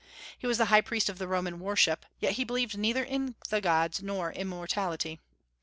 He was the high priest of the Roman worship, and yet he believed neither in the gods nor in immortality.